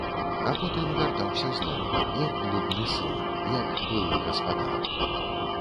А потым вяртаўся зноў, як блудны сын, як былы гаспадар.